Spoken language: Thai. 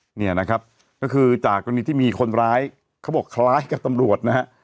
เนี่ยนะครับก็คือจากกรณีที่มีคนร้ายเขาบอกคล้ายกับตำรวจนะฮะ